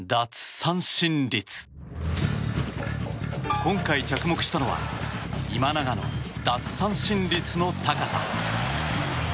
今回着目したのは今永の奪三振率の高さ。